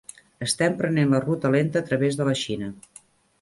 Estem prenent la ruta lenta a través de la Xina.